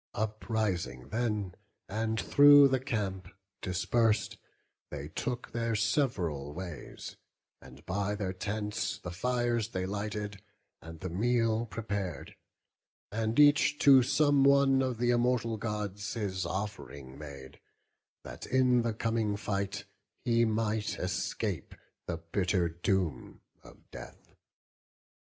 Uprising then, and through the camp dispers'd They took their sev'ral ways, and by their tents The fires they lighted, and the meal prepar'd; And each to some one of the Immortal Gods His off'ring made, that in the coming fight He might escape the bitter doom of death.